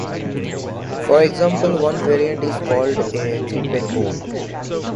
For example, one variant is called a TriPad board.